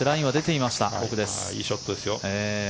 いいショットですよ。